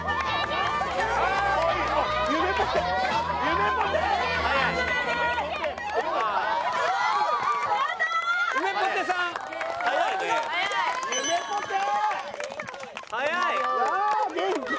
まあ元気。